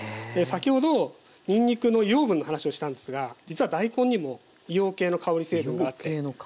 先ほどにんにくの硫黄分の話をしたんですが実は大根にも硫黄系の香り成分があって。